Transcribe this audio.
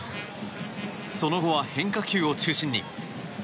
その後は変化球を中心に。